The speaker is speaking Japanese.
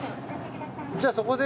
じゃあそこで。